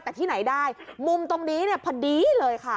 แต่ที่ไหนได้มุมตรงนี้เนี่ยพอดีเลยค่ะ